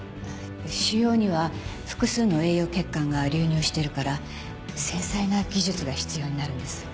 腫瘍には複数の栄養血管が流入しているから繊細な技術が必要になるんです。